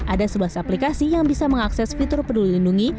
ada sebelas aplikasi yang bisa mengakses fitur peduli lindungi